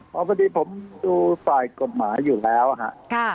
พอพอดีผมดูฝ่ายกฎหมายอยู่แล้วฮะ